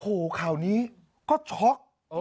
โหข่าวนี้ก็ช็อค